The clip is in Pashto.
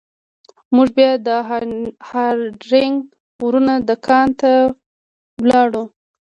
موږ بیا د هارډینګ ورونو دکان ته لاړو.